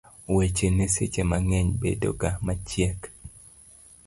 weche ne seche mang'eny bedo ga machiek